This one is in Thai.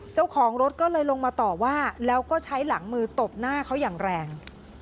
เจ้าของรถก็เลยลงมาต่อว่าแล้วก็ใช้หลังมือตบหน้าเขาอย่างแรง